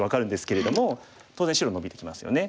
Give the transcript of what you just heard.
当然白ノビてきますよね。